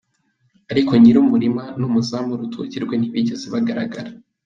Ariko nyir’umurima n’umuzamu w’urutoki rwe ntibigeze bagaragara.